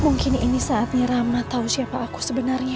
mungkin ini saatnya rama tahu siapa aku sebenarnya